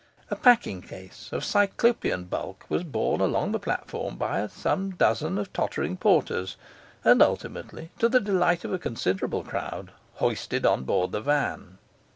A packing case of cyclopean bulk was borne along the platform by some dozen of tottering porters, and ultimately, to the delight of a considerable crowd, hoisted on board the van.